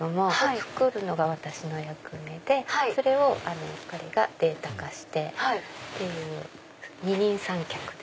作るのが私の役目でそれを彼がデータ化してという二人三脚で。